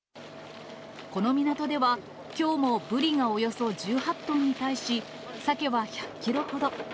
この港では、きょうもブリがおよそ１８トンに対し、サケは１００キロほど。